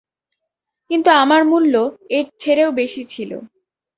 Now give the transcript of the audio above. কিন্তু আমার মূল্য এর ছেড়েও বেশি ছিল।